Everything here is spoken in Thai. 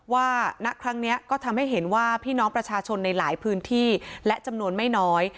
ณครั้งนี้ก็ทำให้เห็นว่าพี่น้องประชาชนในหลายพื้นที่และจำนวนไม่น้อย